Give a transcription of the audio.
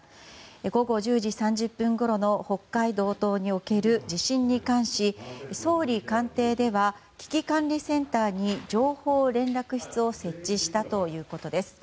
午後１０時３０分ごろの北海道東における地震に関し総理官邸では危機管理センターに情報連絡室を設置したということです。